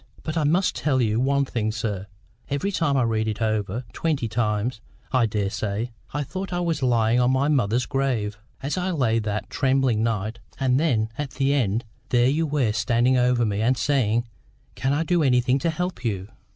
But I must tell you one thing, sir: every time I read it over—twenty times, I daresay—I thought I was lying on my mother's grave, as I lay that terrible night; and then at the end there you were standing over me and saying, 'Can I do anything to help you?